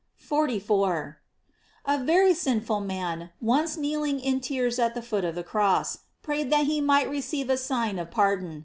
f 44. — A very sinful man, once kneeling in tears at tne foot of the cross, prayed that he might re ceive a sign of pardon.